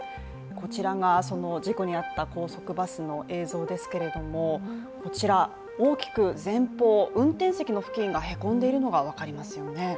こちらが、その事故に遭った高速バスの映像ですけれども、大きく前方、運転席の付近がへこんでいるのが分かりますよね。